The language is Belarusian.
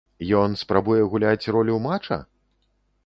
Ён спрабуе гуляць ролю мача?